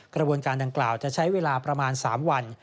กระบวนการดังกล่าวจะใช้เวลาประมาณ๓วัน